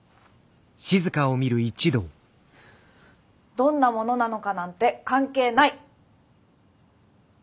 どんなものなのかなんて関係ない。